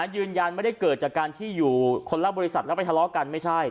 ยืนยันไม่ได้เกิดจากการที่อยู่คนละบริษัทแล้วไปทะเลาะกันไม่ใช่